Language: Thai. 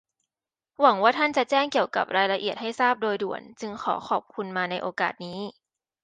หวังว่าท่านจะแจ้งเกี่ยวกับรายละเอียดให้ทราบโดยด่วน จึงขอขอบคุณมาในโอกาสนี้